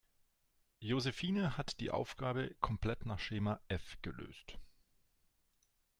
Josephine hat die Aufgabe komplett nach Schema F gelöst.